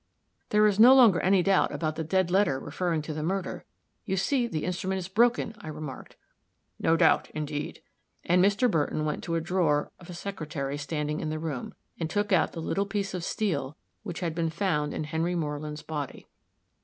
"There is no longer any doubt about the dead letter referring to the murder. You see the instrument is broken," I remarked. "No doubt, indeed," and Mr. Burton went to a drawer of a secretary standing in the room, and took out the little piece of steel which had been found in Henry Moreland's body.